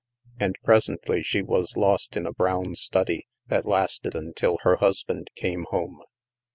And presently she was lost in a brown study that lasted until her husband came home.